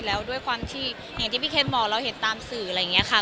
แล้วด้วยความที่อย่างที่พี่เคนบอกเราเห็นตามสื่ออะไรอย่างนี้ค่ะ